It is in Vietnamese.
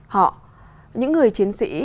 họ những người chiến sĩ